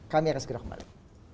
kami akan segera kembali